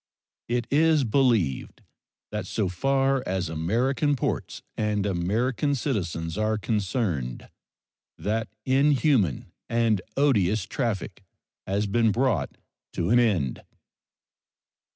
It is believed that so far as American ports and American citizens are concerned that inhuman and odious traffic has been brought to an end.